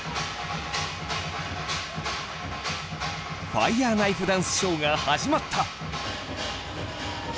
ファイヤーナイフダンスショーが始まった